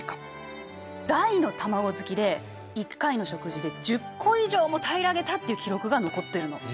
大の卵好きで１回の食事で１０個以上も平らげたっていう記録が残ってるの。